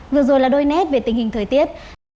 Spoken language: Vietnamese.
vừa rồi là đôi nét về tình hình thời tiết